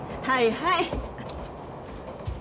はいはい。